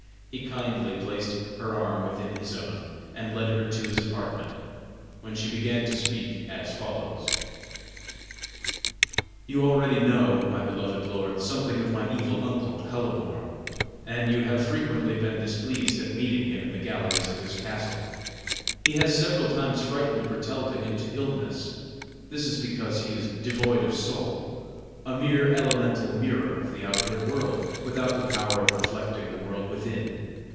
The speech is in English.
He kindly placed her arm within his own, and led her to his apartment, when she began to speak as follows: "You already know, my beloved lord, something of my evil uncle, Kuhleborn, and you have frequently been displeased at meeting him in the galleries of this castle. He has several times frightened Bertalda into illness. This is because he is devoid of soul, a mere elemental mirror of the outward world, without the power of reflecting the world within.